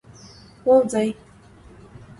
ووځی.